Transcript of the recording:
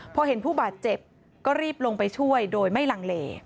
พอเห็นผู้บาดเจ็บก็รีบลงไปช่วยโดยไม่ลังเล